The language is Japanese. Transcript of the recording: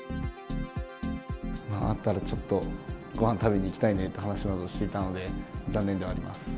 会ったらちょっとごはん食べに行きたいねって話などしていたので、残念ではあります。